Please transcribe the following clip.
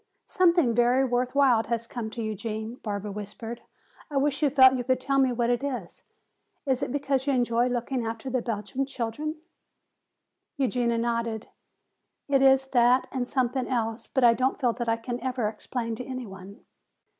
"Something very worth while has come to you, Gene," Barbara whispered. "I wish you felt you could tell me what it is. Is it because you enjoy looking after the Belgian children?" Eugenia nodded. "It is that and something else, but I don't feel that I can ever explain to any one."